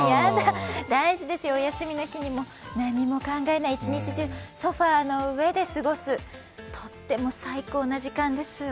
大事ですよ、お休みの日にも何も考えないでソファーの上で過ごす、とっても最高な時間ですわ。